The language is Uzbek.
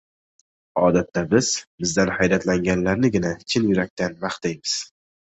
Odatda biz bizdan hayratlanganlarnigina chin yurakdan maqtaymiz.